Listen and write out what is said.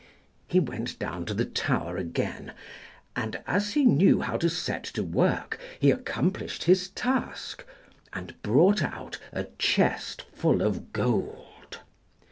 He went down to the tower again, and as he knew how to set to work he accomplished his task, and brought out a chest full of gold.